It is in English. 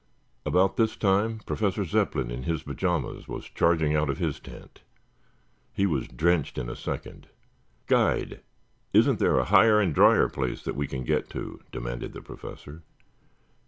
About this time Professor Zepplin in his pajamas was charging out of his tent. He was drenched in a second. "Guide, isn't there a higher and drier place that we can get to?" demanded the Professor.